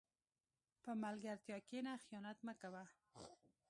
په ملګرتیا کښېنه، خیانت مه کوه.